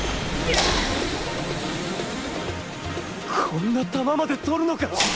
こんな球まで取るのか